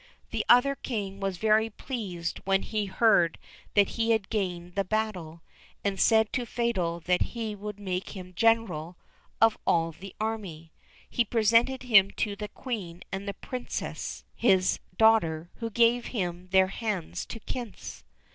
The other King was very pleased when he heard that he had gained the battle, and said to Fatal that he would make him General of all the army. He presented him to the Queen and the Princess his daughter, who gave him their hands to kiss.